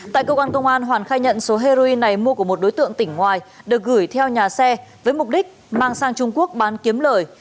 tại cơ quan công an hoàn khai nhận số heroin này mua của một đối tượng tỉnh ngoài được gửi theo nhà xe với mục đích mang sang trung quốc bán kiếm lời